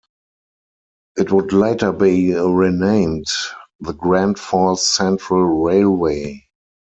It would later be renamed the Grand Falls Central Railway.